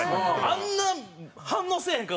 あんな反応せえへん顔